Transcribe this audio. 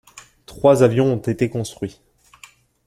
Trois avions ont été construits.